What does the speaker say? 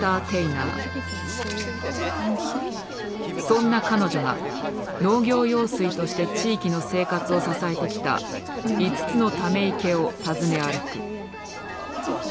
そんな彼女が農業用水として地域の生活を支えてきた５つのため池を訪ね歩く。